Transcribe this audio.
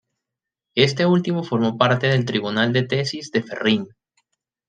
Este último formó parte del tribunal de tesis de Ferrín.